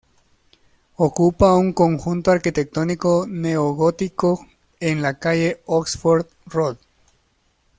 Ocupa un conjunto arquitectónico neogótico en la calle "Oxford Road".